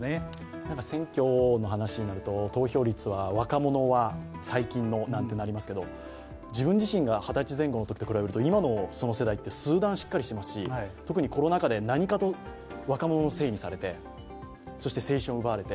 ただ選挙の話になると投票率は若者は、最近は、なんて話になりますけど自分自身が２０歳前後のときと比べると、数段しっかりしていますし特にコロナ禍で何かと若者のせいにされてそして青春を奪われて。